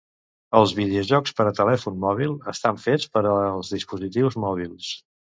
Els videojocs per a telèfon mòbil estan fets per als dispositius mòbils.